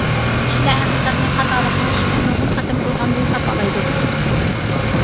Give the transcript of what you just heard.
كىشىلەر ھەقىقەتنى خاتالىقنىڭ ئىشىكىنى نۇرغۇن قېتىم ئۇرغاندىلا تاپالايدۇ.